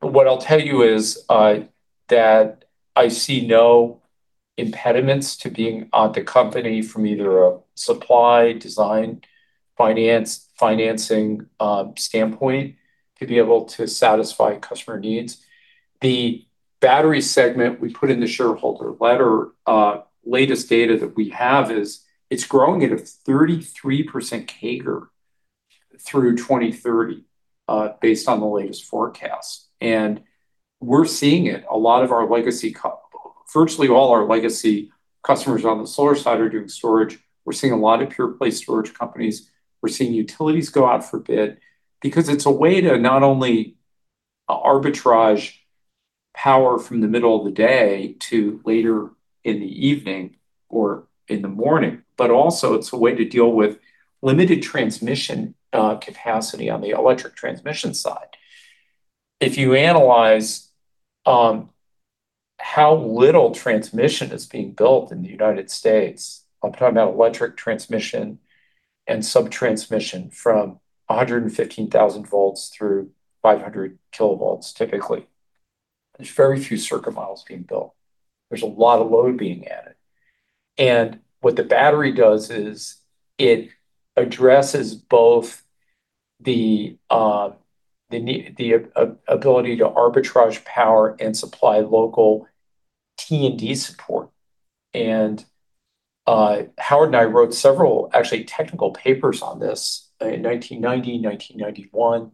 What I'll tell you is that I see no impediments to being the company from either a supply, design, financing standpoint to be able to satisfy customer needs. The battery segment we put in the shareholder letter, latest data that we have is it's growing at a 33% CAGR through 2030, based on the latest forecast. We're seeing it, virtually all our legacy customers on the solar side are doing storage. We're seeing a lot of pure play storage companies. We're seeing utilities go out for bid because it's a way to not only arbitrage power from the middle of the day to later in the evening or in the morning, but also it's a way to deal with limited transmission capacity on the electric transmission side. If you analyze on how little transmission is being built in the United States, I'm talking about electric transmission and sub-transmission from 115,000 volts through 500 kilovolts, typically. There's very few circuit miles being built. There's a lot of load being added. What the battery does is it addresses both the ability to arbitrage power and supply local T&D support. Howard and I wrote several, actually, technical papers on this in 1990, 1991,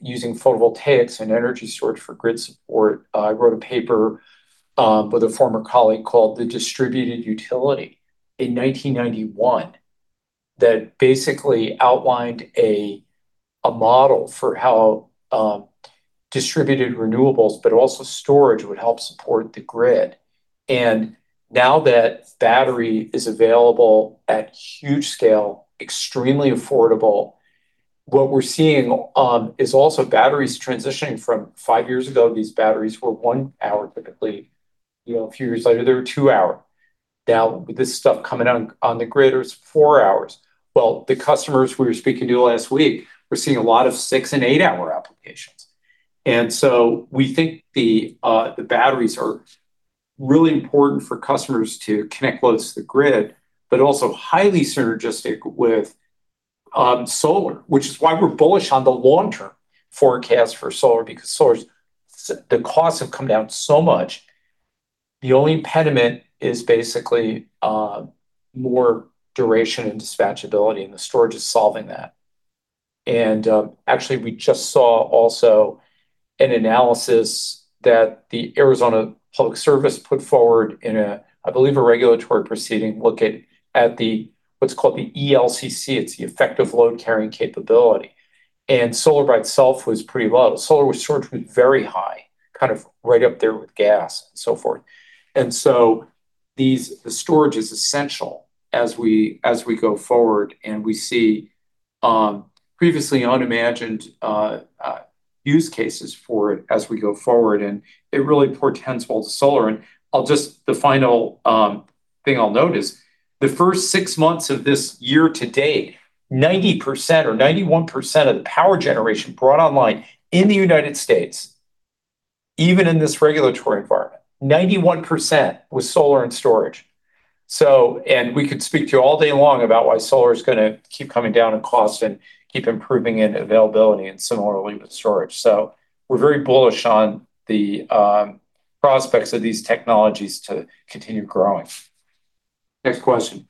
using photovoltaics and energy storage for grid support. I wrote a paper with a former colleague called "The Distributed Utility" in 1991 that basically outlined a model for how distributed renewables, but also storage would help support the grid. Now that battery is available at huge scale, extremely affordable, what we're seeing is also batteries transitioning from five years ago, these batteries were one hour typically. A few years later, they were two hour. With this stuff coming on the grid, it's four hours. The customers we were speaking to last week, we're seeing a lot of six and eight-hour applications. We think the batteries are really important for customers to connect loads to the grid, but also highly synergistic with solar, which is why we're bullish on the long term forecast for solar, because solar's, the costs have come down so much. The only impediment is basically more duration and dispatch ability, and the storage is solving that. Actually, we just saw also an analysis that the Arizona Public Service put forward in a, I believe, a regulatory proceeding, looking at the what's called the ELCC, it's the effective load carrying capability. Solar by itself was pretty low. Solar with storage was very high, kind of right up there with gas and so forth. The storage is essential as we go forward, and we see previously unimagined use cases for it as we go forward, and it really portends well to solar. The final thing I'll note is the first six months of this year today, 90% or 91% of the power generation brought online in the United States, even in this regulatory environment, 91% was solar and storage. We could speak to you all day long about why solar is going to keep coming down in cost and keep improving in availability and similarly with storage. We're very bullish on the prospects of these technologies to continue growing. Next question.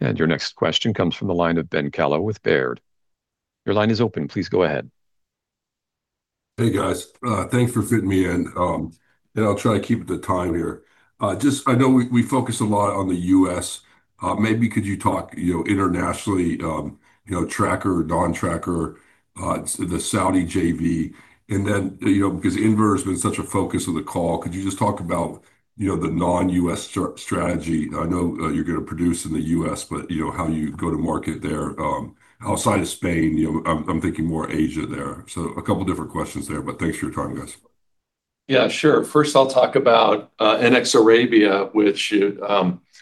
Your next question comes from the line of Ben Kallo with Baird. Your line is open. Please go ahead. Hey, guys. Thanks for fitting me in. I'll try to keep the time here. I know we focus a lot on the U.S. Maybe could you talk internationally, tracker, non-tracker, the Saudi JV? Then, because inverter has been such a focus of the call, could you just talk about the non-U.S. strategy? I know you're going to produce in the U.S., but how you go to market there, outside of Spain, I'm thinking more Asia there. A couple different questions there, but thanks for your time, guys. Yeah, sure. First, I'll talk about NX Arabia, which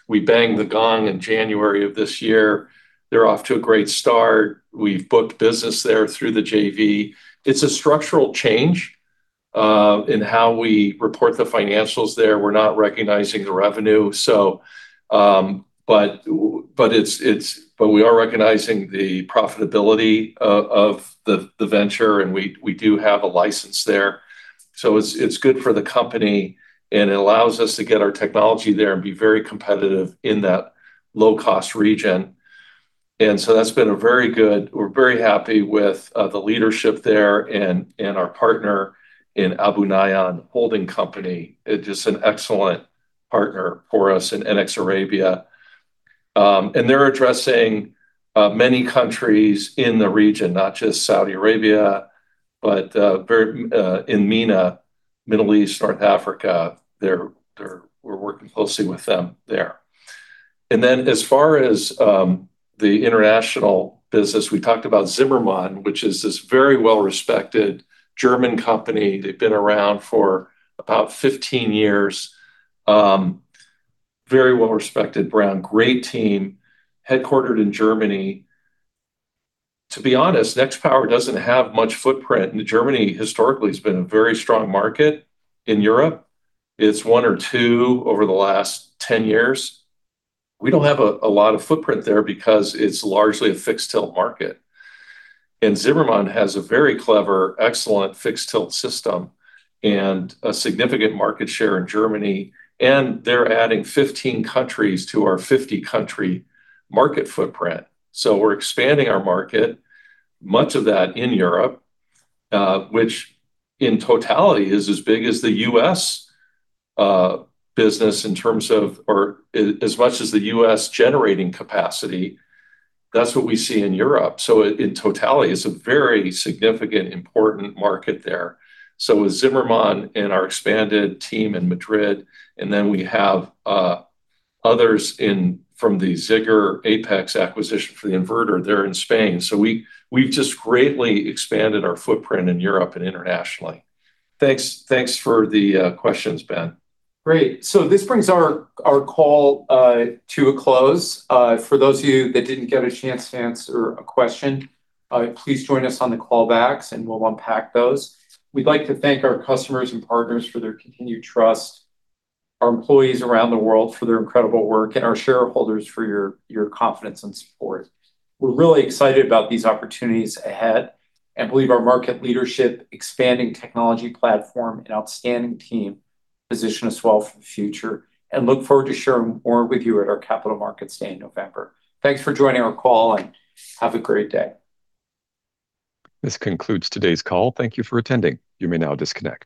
we banged the gong in January of this year. They're off to a great start. We've booked business there through the JV. It's a structural change in how we report the financials there. We're not recognizing the revenue. We are recognizing the profitability of the venture, and we do have a license there. It's good for the company, and it allows us to get our technology there and be very competitive in that low-cost region. We're very happy with the leadership there and our partner in Abunayyan Holding Company. It's just an excellent partner for us in NX Arabia. They're addressing many countries in the region, not just Saudi Arabia, but in MENA, Middle East, North Africa, we're working closely with them there. As far as the international business, we talked about Zimmermann, which is this very well-respected German company. They've been around for about 15 years. Very well-respected brand, great team, headquartered in Germany. To be honest, Nextpower doesn't have much footprint, Germany historically has been a very strong market in Europe. It's one or two over the last 10 years. We don't have a lot of footprint there because it's largely a fixed tilt market. Zimmermann has a very clever, excellent fixed tilt system and a significant market share in Germany, and they're adding 15 countries to our 50 country market footprint. We're expanding our market, much of that in Europe, which in totality is as big as the U.S. business in terms of or as much as the U.S. generating capacity. That's what we see in Europe. In totality, it's a very significant, important market there. With Zimmermann and our expanded team in Madrid, and then we have others from the Zigor, Apex acquisition for the inverter there in Spain. We've just greatly expanded our footprint in Europe and internationally. Thanks for the questions, Ben. Great. This brings our call to a close. For those of you that didn't get a chance to answer a question, please join us on the callbacks and we'll unpack those. We'd like to thank our customers and partners for their continued trust, our employees around the world for their incredible work, and our shareholders for your confidence and support. We're really excited about these opportunities ahead and believe our market leadership, expanding technology platform, and outstanding team position us well for the future and look forward to sharing more with you at our Capital Markets Day in November. Thanks for joining our call, and have a great day. This concludes today's call. Thank you for attending. You may now disconnect.